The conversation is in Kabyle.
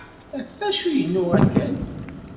Ɣef acu i yennuɣ akken?